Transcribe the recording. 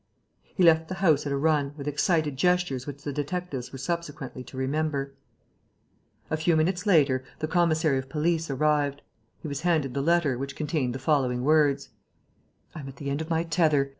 He left the house at a run, with excited gestures which the detectives were subsequently to remember. A few minutes later, the commissary of police arrived. He was handed the letter, which contained the following words: "I am at the end of my tether.